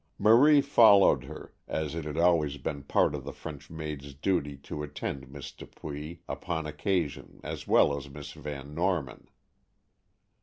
Marie followed her, as it had always been part of the French maid's duty to attend Miss Dupuy upon occasion as well as Miss Van Norman.